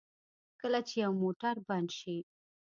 کله چې یو موټر بند شي.